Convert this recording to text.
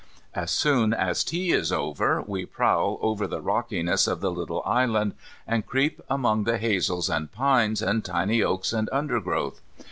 As soon as tea is over we prowl over the rockinesses of the little island, and creep among the hazels and pines and tiny oaks and undergrowth.